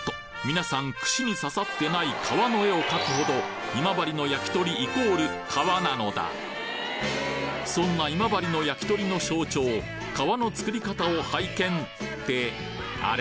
皆さん串に刺さってない皮の絵を描くほど今治の焼き鳥イコール皮なのだそんな今治の焼き鳥の象徴皮の作り方を拝見ってあれ？